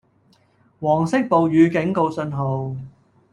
黃色暴雨警告信號